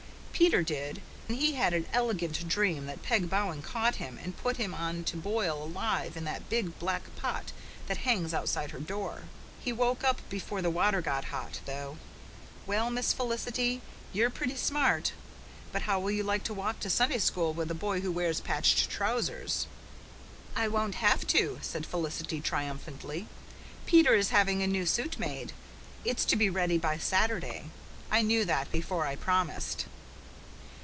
Peter did, and he had an elegant dream that Peg Bowen caught him and put him on to boil alive in that big black pot that hangs outside her door. He woke up before the water got hot, though. Well, Miss Felicity, you're pretty smart. But how will you like to walk to Sunday School with a boy who wears patched trousers?" "I won't have to," said Felicity triumphantly. "Peter is having a new suit made. It's to be ready by Saturday. I knew that before I promised."